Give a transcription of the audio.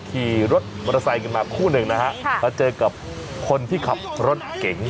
ขี่รถมอเตอร์ไซค์กันมาคู่หนึ่งนะฮะมาเจอกับคนที่ขับรถเก๋ง